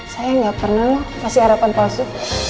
saya nggak pernah kasih harapan palsu